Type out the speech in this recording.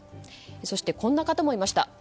そして、こんな方もいました。